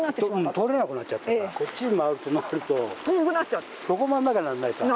通れなくなっちゃったからこっちに回るとなるとそこ回んなきゃなんないから。